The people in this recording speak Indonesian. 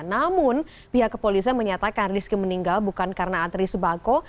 namun pihak kepolisian menyatakan rizky meninggal bukan karena antri sebako